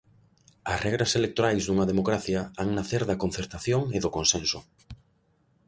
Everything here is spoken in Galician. As regras electorais dunha democracia han nacer da concertación e do consenso.